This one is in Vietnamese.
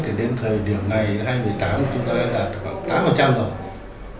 thì đến thời điểm này hai mươi tám chúng ta đã đặt khoảng tám rồi